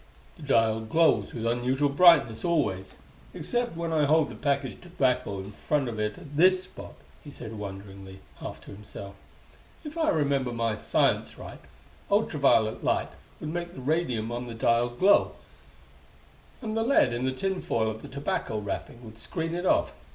"The dial glows with unusual brightness always except when I hold the package of tobacco in front of it at this spot," he said wonderingly, half to himself. "If I remember my science right, ultra violet light would make the radium on the dial glow; and the lead in the tin foil of the tobacco wrapping would screen it off.